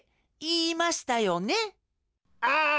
ああ！